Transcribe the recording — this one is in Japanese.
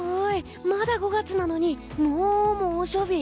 まだ５月なのにもう猛暑日？